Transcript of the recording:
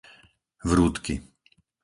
Vrútky